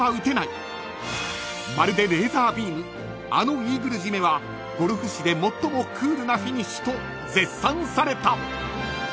［「あのイーグル締めはゴルフ史で最もクールなフィニッシュ」と絶賛された］